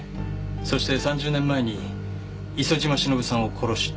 そして３０年前に磯島忍さんを殺した犯人。